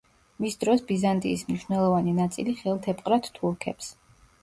მის დროს ბიზანტიის მნიშვნელოვანი ნაწილი ხელთ ეპყრათ თურქებს.